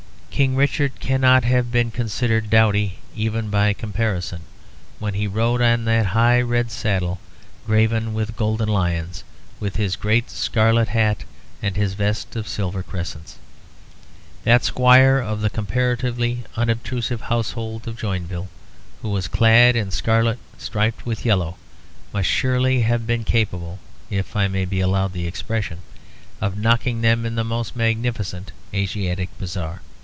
King Richard cannot have been considered dowdy, even by comparison, when he rode on that high red saddle graven with golden lions, with his great scarlet hat and his vest of silver crescents. That squire of the comparatively unobtrusive household of Joinville, who was clad in scarlet striped with yellow, must surely have been capable (if I may be allowed the expression) of knocking them in the most magnificent Asiatic bazaar.